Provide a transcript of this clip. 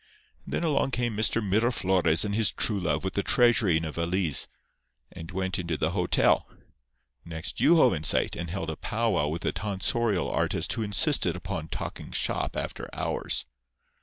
"And then along came Mr. Miraflores and his true love with the treasury in a valise, and went into the hotel. Next you hove in sight, and held a pow wow with the tonsorial artist who insisted upon talking shop after hours.